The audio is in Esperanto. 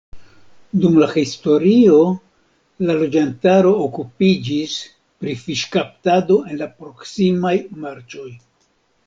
Dum la historio la loĝantaro okupiĝis pri fiŝkaptado en la proksimaj marĉoj.